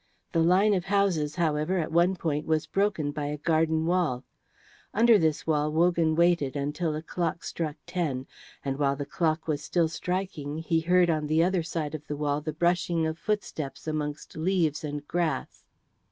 The line of houses, however, at one point was broken by a garden wall. Under this wall Wogan waited until a clock struck ten, and while the clock was still striking he heard on the other side of the wall the brushing of footsteps amongst leaves and grass.